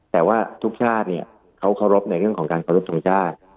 แต่ว่าทุกชาติเนี่ยเขาเคารพในเรื่องของการเคารพทรงชาติ